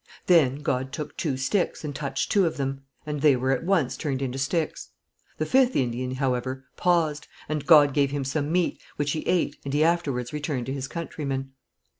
Then God took two sticks and touched two of them, and they were at once turned into sticks. The fifth Indian, however, paused, and God gave him some meat, which he ate, and he afterwards returned to his countrymen.